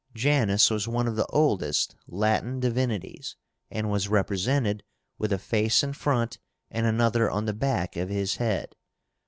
Janus was one of the oldest Latin divinities, and was represented with a face in front and another on the back of his head.